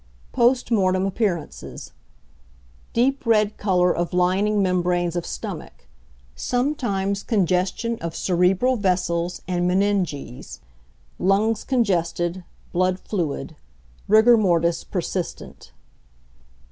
Post Mortem Appearances. Deep red colour of lining membranes of stomach. Sometimes congestion of cerebral vessels and meninges. Lungs congested, blood fluid. Rigor mortis persistent.